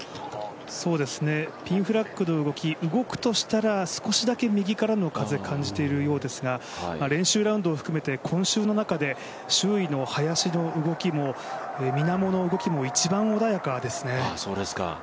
ピンフラッグの動き、動くとしたら少しだけ右からの風を感じているようですが、練習ラウンドを含めて今週の中で周囲の林の動きもみなもの動きも一番穏やかですね。